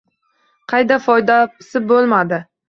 Qayda, foydasi bo‘lmadi.